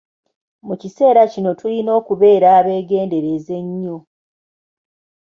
Mu kiseera kino tulina okubeera abeegendereza ennyo.